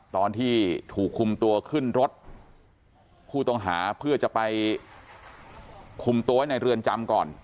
ตอนที่ถูกคุมตัวขึ้นรถผู้ต้องหาเพื่อจะไปคุมตัวไว้ในเรือนจำก่อน